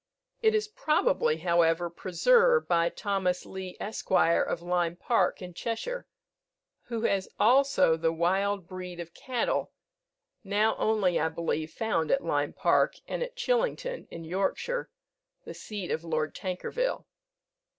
It is probably, however, preserved by Thomas Leigh, Esq. of Lyme Park, in Cheshire, who has also the wild breed of cattle, now only, I believe, found at Lyme Park, and at Chillington, in Yorkshire, the seat of Lord Tankerville.